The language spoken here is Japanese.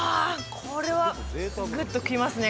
これはグッときますね